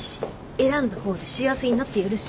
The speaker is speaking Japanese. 選んだほうで幸せになってやるし。